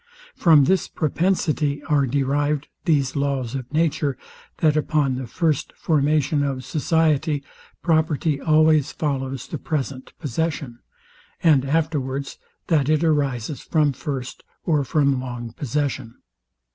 From this propensity are derived these laws of nature, that upon the first formation of society, property always follows the present possession; and afterwards, that it arises from first or from long possession.